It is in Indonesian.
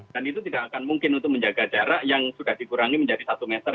dan itu tidak akan mungkin untuk menjaga jarak yang sudah dikurangi menjadi satu meter